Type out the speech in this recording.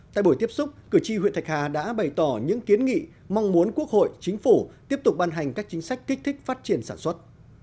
tại buổi tiếp xúc cử tri huyện thạch hà đã bày tỏ những kiến nghị mong muốn quốc hội chính phủ tiếp tục ban hành các chính sách kích thích phát triển sản xuất